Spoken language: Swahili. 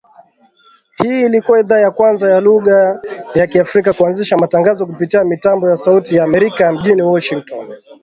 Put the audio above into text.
Hii ilikua idhaa ya kwanza ya lugha ya Kiafrika kuanzisha matangazo kupitia mitambo ya Sauti ya Amerika mjini Washington